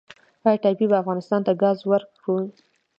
آیا ټاپي به افغانستان ته ګاز ورکړي؟